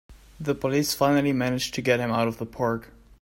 The police finally manage to get him out of the park!